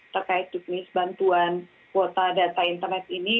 terkait jenis bantuan kuota data internet